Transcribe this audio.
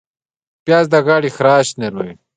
پیاز د غاړې خراش نرموي